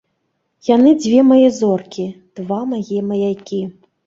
Яны дзве мае зоркі, два мае маякі.